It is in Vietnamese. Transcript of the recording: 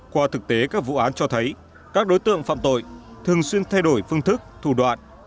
qua thực tế các vụ án cho thấy các đối tượng phạm tội thường xuyên thay đổi phương thức thủ đoạn